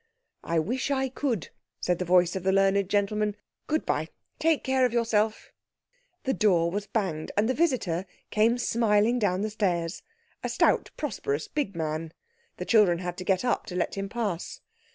"I wish I could," said the voice of the learned gentleman. "Goodbye. Take care of yourself." The door was banged, and the visitor came smiling down the stairs—a stout, prosperous, big man. The children had to get up to let him pass.